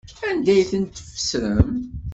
Anda ay tent-tfesrem?